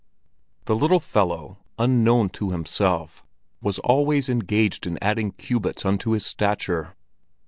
The little fellow, unknown to himself, was always engaged in adding cubits unto his stature.